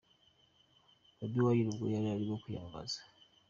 Bobi Wine ubwo yari arimo kwiyamamaza.